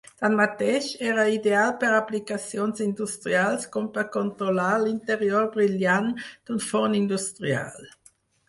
Tanmateix, era ideal per aplicacions industrials, com per controlar l'interior brillant d'un forn industrial.